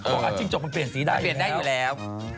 เออเออจิ้งจบมันเปลี่ยนสีได้อยู่แล้วเปลี่ยนได้อยู่แล้ว